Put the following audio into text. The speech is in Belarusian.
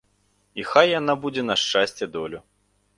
І хай яна будзе на шчасце-долю.